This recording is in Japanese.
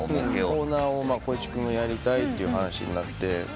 コーナーを光一君がやりたいっていう話になって。